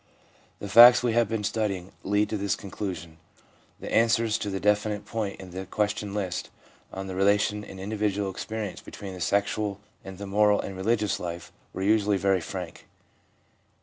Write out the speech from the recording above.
The facts we have been studying lead to this conclusion. The answers to the definite point in the question list, on the relation in individual experi ence between the sexual and the moral and religious life, were usually very frank.